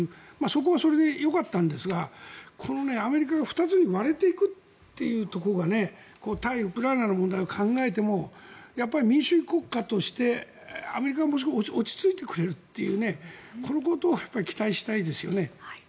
そこはそれでよかったんですがアメリカが２つに割れていくというところが対ウクライナの問題を考えても民主主義国家としてアメリカはもう少し落ち着いてくれるというこのことを期待したいですよね。